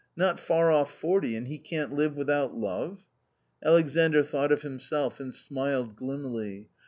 Not far off forty, and he can't live without love !" Alexandr thought of himself and smiled gloomily.